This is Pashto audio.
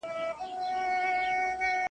نن جهاني بل غزل ستا په نامه ولیکل .